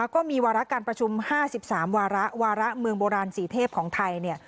ก็มีวาระการประชุม๕๓วาระวาระเมืองโบราณสีเทพของไทย